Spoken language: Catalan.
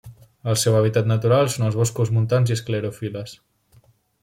El seu hàbitat natural són els boscos montans i esclerofil·les.